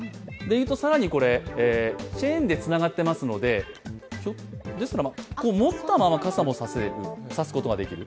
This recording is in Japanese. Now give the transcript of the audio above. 更にこれチェーンでつながってますので持ったまま傘も差すことができる。